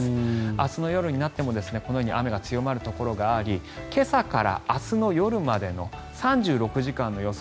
明日の夜になっても雨が強まるところがあり今朝から明日の夜までの３６時間の予想